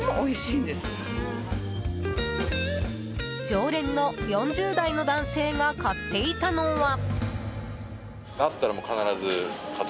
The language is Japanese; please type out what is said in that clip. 常連の４０代の男性が買っていたのは。